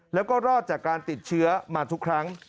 แล้วก็รอดจากการติดเชื้อมาทุกครั้ง